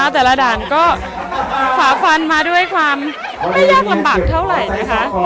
แต่ละด่านก็ฝาฟันมาด้วยความไม่ยากลำบากเท่าไหร่นะคะ